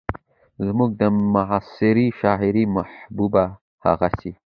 زموږ د معاصرې شاعرۍ محبوبه هغسې